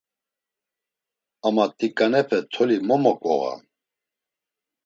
Ama t̆iǩanepe toli mo moǩvoğam.